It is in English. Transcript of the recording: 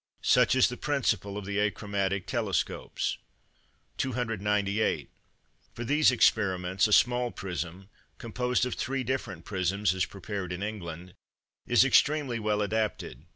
Such is the principle of the achromatic telescopes. 298. For these experiments, a small prism composed of three different prisms, as prepared in England, is extremely well adapted.